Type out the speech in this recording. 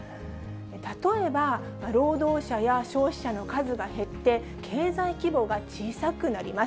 例えば労働者や消費者の数が減って、経済規模が小さくなります。